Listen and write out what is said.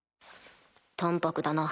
淡泊だな。